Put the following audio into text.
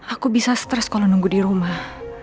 aku bisa stres kalau nunggu di rumah